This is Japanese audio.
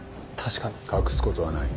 隠すことはない。